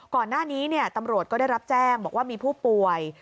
ก่อนหน้านี้ตำรวจก็ได้รับแจ้งบอกว่ามีผู้ป่วย